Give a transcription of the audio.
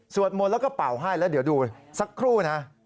มนต์แล้วก็เป่าให้แล้วเดี๋ยวดูสักครู่นะ